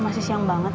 masih siang banget